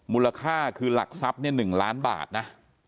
มูลค่าคือหลักทรัพย์เนี่ย๑ล้านบาทนะ